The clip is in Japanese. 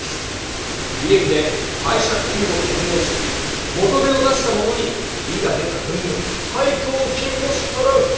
利益で拝借金を返納し元手を出した者に利が出た分の配当金も支払う。